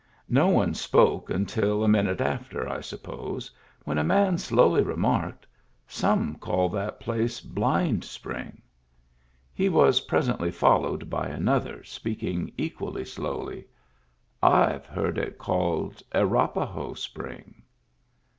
No one spoke until a minute after, I suppose, when a man slowly remarked :" Some call that place Blind Spring." He was presently followed by another, speaking equally slowly: "I've heard it called Arapaho Spring."